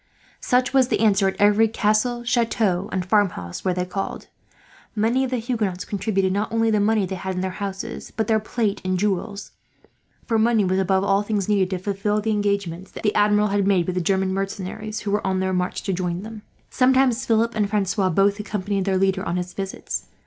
Such was the answer at every castle, chateau, and farmhouse where they called. Many of the Huguenots contributed not only the money they had in their houses, but their plate and jewels; for money was, above all things, needed to fulfil the engagements the Admiral had made with the German mercenaries who were on their march to join him. Sometimes Philip and Francois both accompanied their leader on his visits.